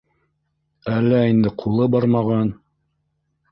Әллә инде ҡулы бармаған...